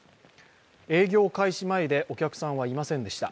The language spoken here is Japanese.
営業開始前で、お客さんはいませんでした。